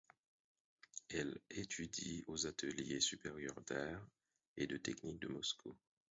Elle étudie aux ateliers supérieurs d'art et de technique de Moscou.